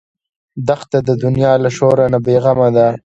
دښته د دنیا له شور نه بېغمه ده.